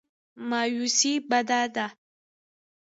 مایوسي بده ده.